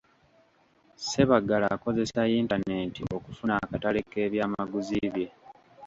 Ssebaggala akozesa yintanenti okufuna akatale k’ebyamaguzi bye.